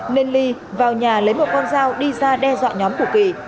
nên ly vào nhà lấy một con dao đi ra đe dọa nhóm của kỳ